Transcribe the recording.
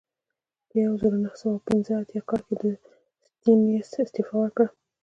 په یوه زرو نهه سوه پنځه اتیا کال کې سټیونز استعفا ورکړه.